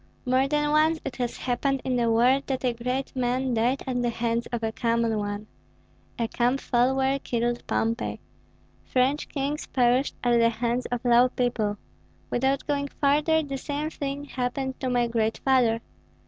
More than once it has happened in the world that a great man died at the hands of a common one. A camp follower killed Pompey; French kings perished at the hands of low people. Without going farther, the same thing happened to my great father.